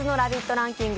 ランキング。